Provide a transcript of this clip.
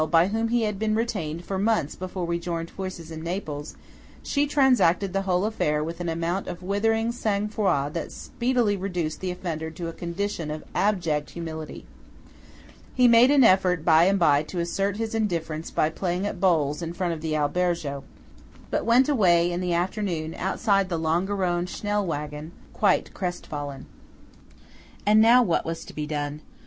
by whom he had been retained for months before we joined forces in Naples, she transacted the whole affair with an amount of withering sang froid that speedily reduced the offender to a condition of abject humility. He made an effort by and by to assert his indifference by playing at bowls in front of the albergo; but went away in the afternoon outside the Longarone Schnell wagen, quite crestfallen. And now what was to be done?